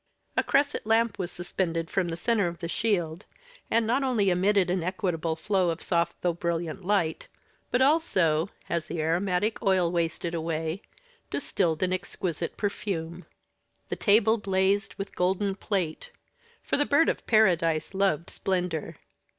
A cresset lamp was suspended from the centre of the shield, and not only emitted an equable flow of soft though brilliant light, but also, as the aromatic oil wasted away, distilled an exquisite perfume. The table blazed with golden plate, for the Bird of Paradise loved splendor.